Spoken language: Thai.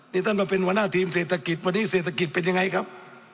นี่ท่านมาเป็นหัวหน้าทีมเศรษฐกิจวันนี้เศรษฐกิจเป็นยังไงครับ